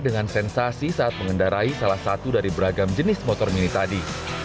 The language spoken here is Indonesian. dengan sensasi saat mengendarai salah satu dari beragam jenis motor mini tadi